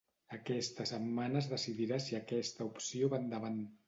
Aquesta setmana es decidirà si aquesta opció va endavant.